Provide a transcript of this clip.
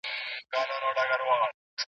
ناځوانه برید وسو.